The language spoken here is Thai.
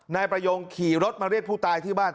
นายประยงขี่รถมาเรียกผู้ตายที่บ้าน